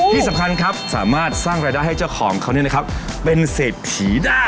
ที่สำคัญครับสามารถสร้างรายได้ให้เจ้าของเขาเป็นเศรษฐีได้